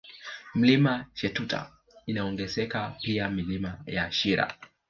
Mlima Shetuta inaongezeka pia Milima ya Shira